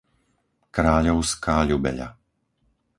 Kráľovská Ľubeľa